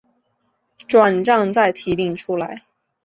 转帐再提领出来